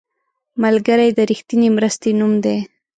ملګری د رښتینې مرستې نوم دی